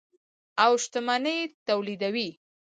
او شتمني تولیدوي.